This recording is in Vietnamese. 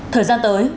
thời gian tới